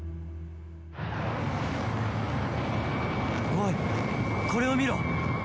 おいこれを見ろ！